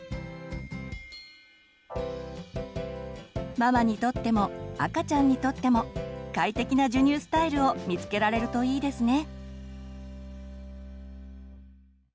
ママにとっても赤ちゃんにとっても快適な授乳スタイルを見つけられるといいですね。